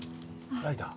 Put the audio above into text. ライター？